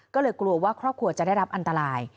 ก็เลยกลัวว่าครอบครัวจะได้รับอันตราย